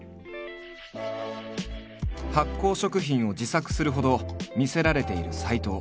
発酵食品を自作するほど魅せられている斎藤。